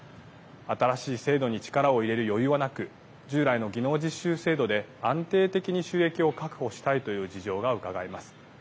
新しい制度に力を入れる余裕はなく従来の技能実習制度で安定的に収益を確保したいという事情が伺えます。